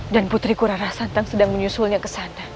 dan putriku rara santang sedang menyusulnya ke sana